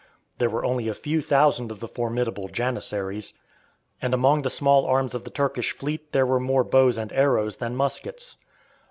There were only a few thousand of the formidable Janissaries. And among the small arms of the Turkish fleet there were more bows and arrows than muskets.